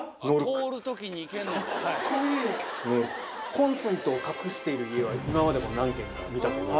コンセントを隠している家は今までも何軒か見たことがある。